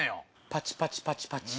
パチパチパチパチ。